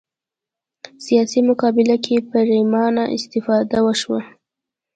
سیاسي مقابله کې پرېمانه استفاده وشوه